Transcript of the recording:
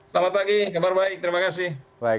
selamat pagi kabar baik terima kasih